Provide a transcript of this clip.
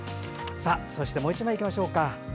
もう１枚いきましょうか。